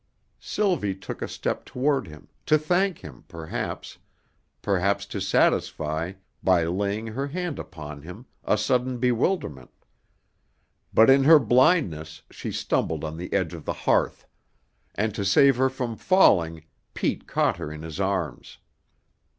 Sylvie took a step toward him, to thank him, perhaps, perhaps to satisfy, by laying her hand upon him, a sudden bewilderment; but in her blindness she stumbled on the edge of the hearth, and to save her from falling, Pete caught her in his arms.